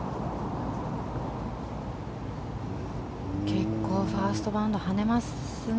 結構ファーストバウンド跳ねますね。